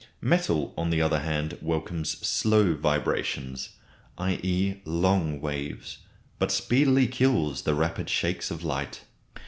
Metal on the other hand welcomes slow vibrations (i.e. long waves), but speedily kills the rapid shakes of light.